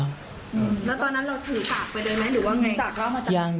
แล้วตอนนั้นเราถือสากไปเดินไหมหรือว่าไง